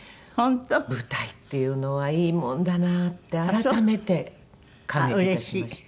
舞台っていうのはいいものだなって改めて感激いたしました。